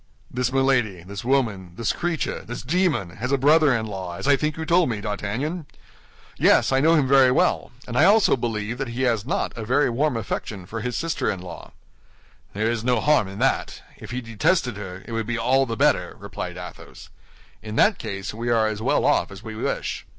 "This Milady, this woman, this creature, this demon, has a brother in law, as I think you told me, D'Artagnan?" "Yes, I know him very well; and I also believe that he has not a very warm affection for his sister in law." "There is no harm in that. If he detested her, it would be all the better," replied Athos. "In that case we are as well off as we wish."